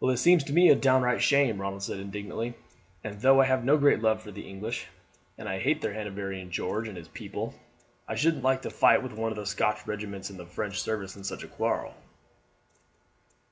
"Well, it seems to me a downright shame," Ronald said indignantly; "and though I have no great love for the English, and hate their Hanoverian George and his people, I shouldn't like to fight with one of the Scotch regiments in the French service in such a quarrel."